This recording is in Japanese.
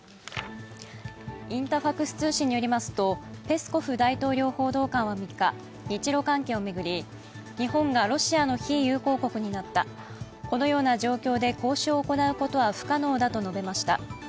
インタファクス通信によりますとペスコフ大統領報道官は３日、日ロ関係をめぐり、日本がロシアの非友好国になったこのような状況で交渉を行うことは不可能だと述べました。